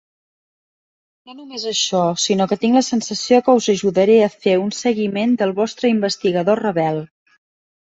No només això, sinó que tinc la sensació que us ajudaré a fer un seguiment del vostre investigador rebel.